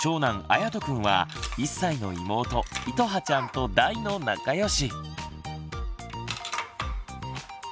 やとくんは１歳の妹いとはちゃんと大の仲良し。